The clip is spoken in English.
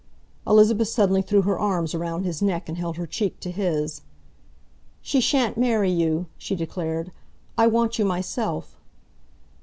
Elizabeth suddenly threw her arms around his neck and held her cheek to his. "She shan't marry you!" she declared. "I want you myself!"